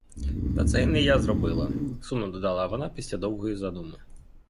Та це і не я зробила, — сумно додала вона після довгої задуми.